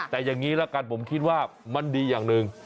แต่อย่างนี้ละกันผมคิดว่ามันดีอย่างหนึ่ง